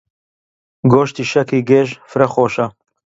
گۆشتی شەکی گێژ فرە خۆشە.